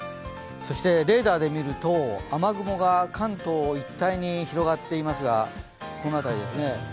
そしてレーダーで見ると、雨雲が関東一帯に広がっていますが、この辺りですね。